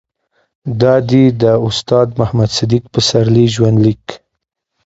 دا دي د استاد محمد صديق پسرلي ژوند ليک